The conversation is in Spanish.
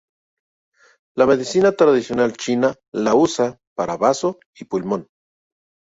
La Medicina tradicional china la usa para bazo y pulmón.